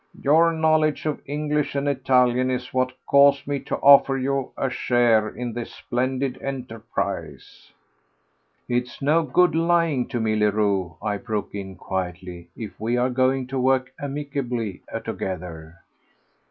"Your knowledge of English and Italian is what caused me to offer you a share in this splendid enterprise—" "It's no good lying to me, Leroux," I broke in quietly, "if we are going to work amicably together."